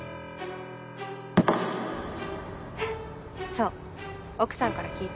そう奥さんから聞いた。